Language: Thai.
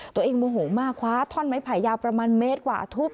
โมโหมากคว้าท่อนไม้ไผ่ยาวประมาณเมตรกว่าทุบ